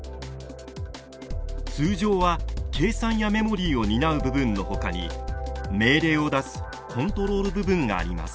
通常は計算やメモリーを担う部分のほかに命令を出すコントロール部分があります。